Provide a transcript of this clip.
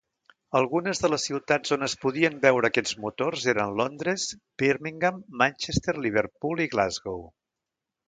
Algunes de les ciutats on es podien veure aquests motors eren Londres, Birmingham, Manchester, Liverpool i Glasgow.